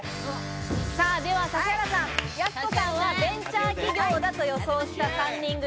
では指原さん、やす子さんはベンチャー企業だと予想した３人組。